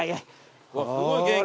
すごい元気。